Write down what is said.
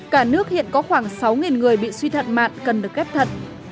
cả nước hiện có khoảng sáu người bị suy thận mạn cần được ghép thận